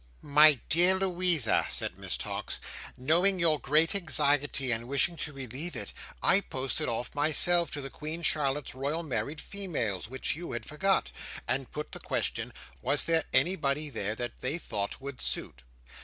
"My dear Louisa," said Miss Tox, "knowing your great anxiety, and wishing to relieve it, I posted off myself to the Queen Charlotte's Royal Married Females," which you had forgot, and put the question, Was there anybody there that they thought would suit?